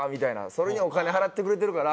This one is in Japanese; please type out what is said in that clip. それにお金払ってくれてるから。